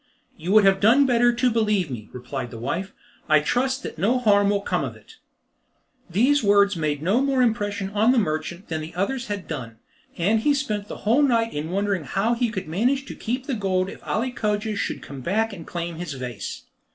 "You would have done better to believe me," replied the wife. "I trust that no harm will come of it." These words made no more impression on the merchant than the others had done; and he spent the whole night in wondering how he could manage to keep the gold if Ali Cogia should come back and claim his vase.